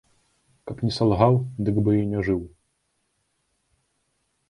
Каб не салгаў, дык бы і не жыў.